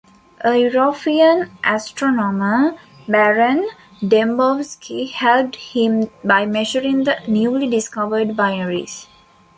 A European astronomer, Baron Dembowski, helped him by measuring the newly discovered binaries.